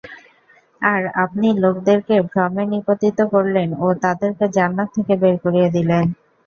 আর আপনি লোকদেরকে ভ্রমে নিপতিত করলেন ও তাদেরকে জান্নাত থেকে বের করিয়ে দিলেন।